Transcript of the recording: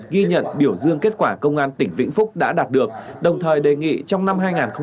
ghi nhận biểu dương kết quả công an tỉnh vĩnh phúc đã đạt được đồng thời đề nghị trong năm hai nghìn hai mươi ba